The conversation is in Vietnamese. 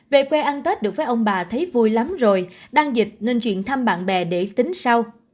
về quê ăn tết được với ông bà thấy vui lắm rồi đang dịch nên chuyện thăm bạn bè để tính sau